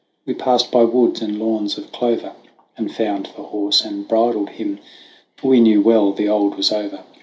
We passed by woods, and lawns of clover, And found the horse and bridled him, For we knew well the old was over.